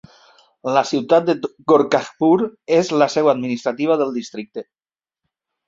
La ciutat de Gorakhpur és la seu administrativa del districte.